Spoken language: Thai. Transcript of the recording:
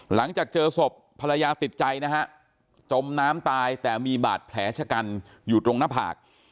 หลังจากเจอศพภรรยาติดใจนะฮะจมน้ำตายแต่มีบาดแผลชะกันอยู่ตรงหน้าผาก